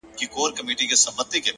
د زړه نرمي انسان محبوبوي